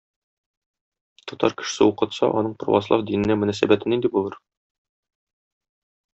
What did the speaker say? Татар кешесе укытса, аның православ диненә мөнәсәбәте нинди булыр?